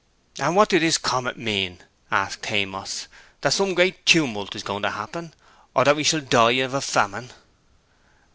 'And what do this comet mean?' asked Haymoss. 'That some great tumult is going to happen, or that we shall die of a famine?'